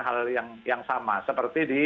hal yang sama seperti di